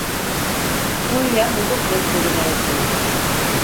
Konya Hukuk Mektebi mezunudur.